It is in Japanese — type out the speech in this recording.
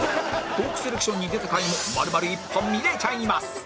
トーークセレクションに出た回も丸々１本見れちゃいます